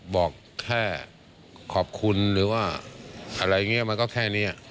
บอกแค่ขอบคุณหรือว่าอะไรอย่างนี้มันก็แค่นี้